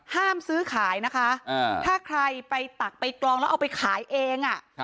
ซื้อขายนะคะถ้าใครไปตักไปกลองแล้วเอาไปขายเอง